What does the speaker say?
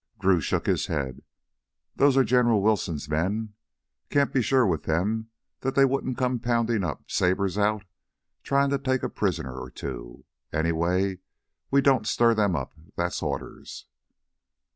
Drew shook his head. "Those are General Wilson's men ... can't be sure with them that they wouldn't come poundin' up, sabers out, tryin' to take a prisoner or two. Anyway, we don't stir them up, that's orders."